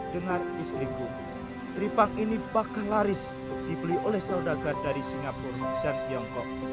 dengar istriku tripak ini bakal laris dibeli oleh saudagar dari singapura dan tiongkok